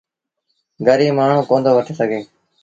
گريٚب مآڻهوٚٚݩ ڪوندو وٺي سگھي۔